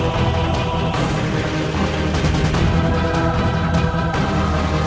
aku sanggup completely loks positive demi saya